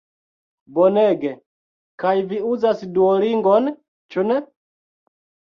Bonege, kaj vi uzas Duolingon ĉu ne?